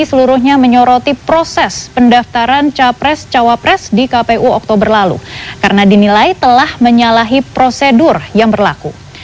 seluruhnya menyoroti proses pendaftaran capres cawapres di kpu oktober lalu karena dinilai telah menyalahi prosedur yang berlaku